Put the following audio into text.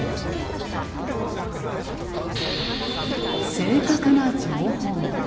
正確な情報。